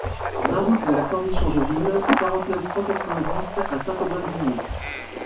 un route de la Corniche Angevine, quarante-neuf, cent quatre-vingt-dix à Saint-Aubin-de-Luigné